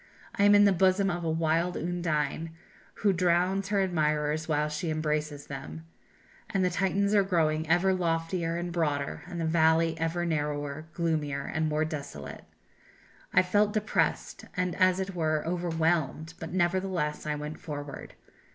I am in the bosom of a wild Undine, who drowns her admirers while she embraces them and the Titans are growing ever loftier and broader, and the valley ever narrower, gloomier, and more desolate. I felt depressed, and as it were, overwhelmed, but, nevertheless, I went forward.